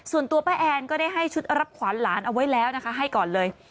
ส่วนตัวป้าแอนก็ได้ให้ชุดรับขวานหลานเอาไว้แล้วนะคะให้ก่อนเลย